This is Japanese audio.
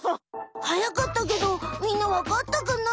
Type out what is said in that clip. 速かったけどみんなわかったかな？